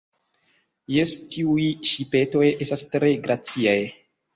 Jes, tiuj ŝipetoj estas tre graciaj.